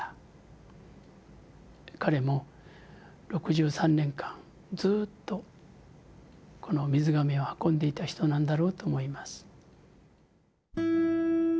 彼も６３年間ずっとこの水がめを運んでいた人なんだろうと思います。